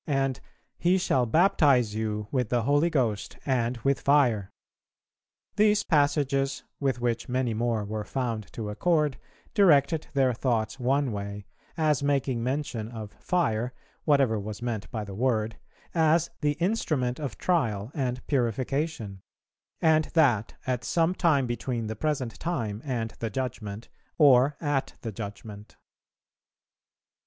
and 'He shall baptize you with the Holy Ghost and with fire.' These passages, with which many more were found to accord, directed their thoughts one way, as making mention of 'fire,' whatever was meant by the word, as the instrument of trial and purification; and that, at some time between the present time and the Judgment, or at the Judgment.